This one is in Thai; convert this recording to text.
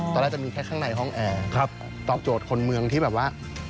ตอนแรกจะมีแค่ข้างในห้องแอร์ตอบโจทย์คนเมืองที่แบบว่า